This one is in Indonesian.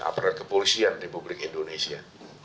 aparat kepolisian di publik indonesia